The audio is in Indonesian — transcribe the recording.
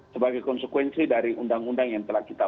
sebagai konsekuensi dari undang undang yang telah kita